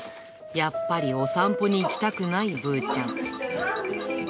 やっぱりお散歩に行きたくないぶーちゃん。